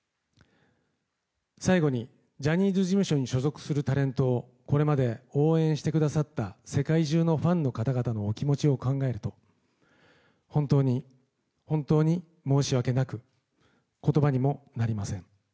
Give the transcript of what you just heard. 最後にジャニーズ事務所に所属するタレントをこれまで応援してくださった世界中のファンの方々のお気持ちを考えると本当に本当に申し訳なく言葉にもなりません。